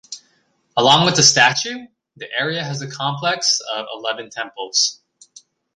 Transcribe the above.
Along with the statue, the area has a complex of eleven temples.